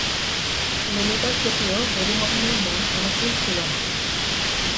ললিতার প্রতিও হরিমোহিনীর মন অনুকূল ছিল না।